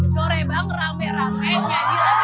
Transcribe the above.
corebang rame rame nyanyi lagu